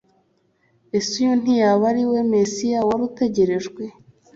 Ese uyu ntiyaba ari we Mesiya wari utegerejwe?